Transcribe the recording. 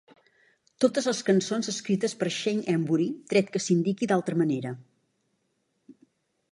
Totes les cançons escrites per Shane Embury, tret que s'indiqui d'altra manera.